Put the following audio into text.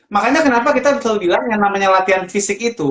makanya kenapa kita selalu bilang yang namanya latihan fisik itu